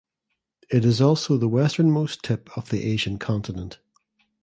It is also the westernmost tip of the Asian continent.